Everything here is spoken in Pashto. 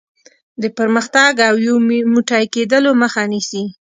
د پرمختګ او یو موټی کېدلو مخه نیسي.